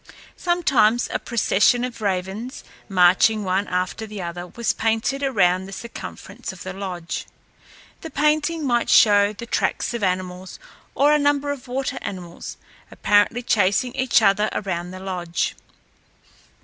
Sometimes a procession of ravens, marching one after the other, was painted around the circumference of the lodge. The painting might show the tracks of animals, or a number of water animals, apparently chasing each other around the lodge.